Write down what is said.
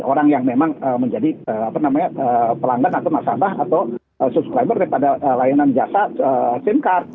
orang yang memang menjadi pelanggan atau nasabah atau subscriber daripada layanan jasa sim card